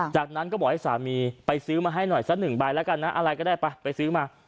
จากนั้นก็บอกให้สามีไปซื้อมาให้หน่อยสักหนึ่งใบแล้วกันนะอะไรก็ได้ไปไปซื้อมา